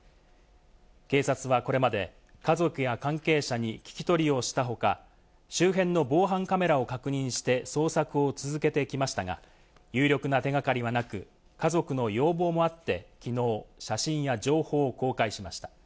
警察はこれまで家族や関係者に聞き取りをした他、周辺の防犯カメラを確認して捜索を続けてきましたが、有力な手掛かりはなく、家族の要望もあって、きのう写真や情報を公開しました。